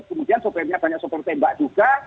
kemudian sopirnya banyak sopir tembak juga